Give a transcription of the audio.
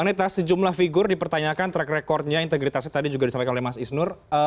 bang neta sejumlah figur dipertanyakan track recordnya integritasnya tadi juga disampaikan oleh mas isnur